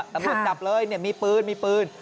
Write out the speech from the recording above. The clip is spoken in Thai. ตำรวจจับเลยมีปืน